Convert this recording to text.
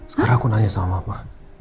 sekarang aku nanya sama apa